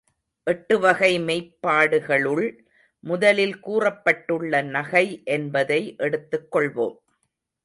எட்டு வகை மெய்ப்பாடுகளுள் முதலில் கூறப்பட்டுள்ள நகை என்பதை எடுத்துக் கொள்வோம்.